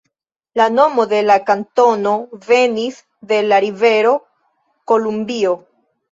La nomo de la kantono venis de la rivero Kolumbio.